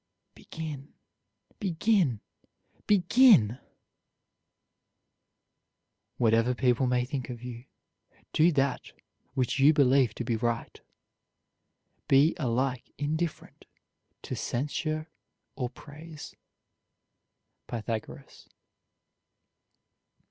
Begin! Begin! Begin!!! Whatever people may think of you, do that which you believe to be right. Be alike indifferent to censure or praise. PYTHAGORAS.